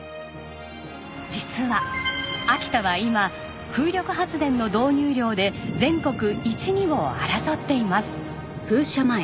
実は秋田は今風力発電の導入量で全国一二を争っています。